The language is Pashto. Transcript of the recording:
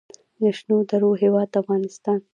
د شنو درو هیواد افغانستان.